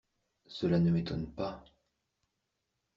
Cela ne m’étonne pas.